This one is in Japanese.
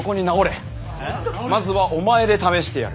まずはお前で試してやる。